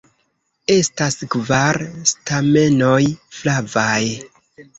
Estas kvar stamenoj, flavaj.